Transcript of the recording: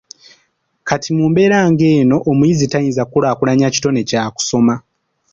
Kati mu mbeera ng'eno omuyizi tayinza kukulaakulanya kitone kya kusoma.